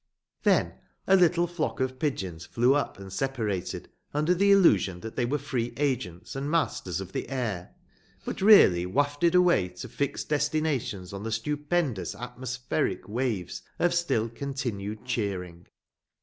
Then a little flock of pigeons flew up and separated, under the illusion that they were free agents and masters of the air, but really wafted away to fixed destinations on the stupendous atmospheric waves of still continued cheering.